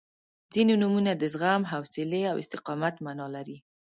• ځینې نومونه د زغم، حوصلې او استقامت معنا لري.